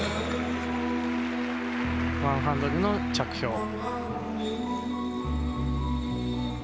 ワンハンドルの着氷。